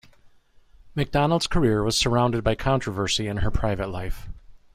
MacDonald's career was surrounded by controversy in her private life.